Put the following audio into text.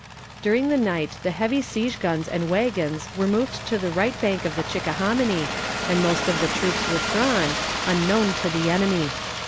During the night the heavy siege guns and wagons were removed to the right bank of the Chickahominy, and most of the troops withdrawn, unknown to the enemy.